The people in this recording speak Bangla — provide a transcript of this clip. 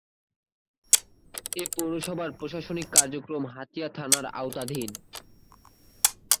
এ পৌরসভার প্রশাসনিক কার্যক্রম হাতিয়া থানার আওতাধীন।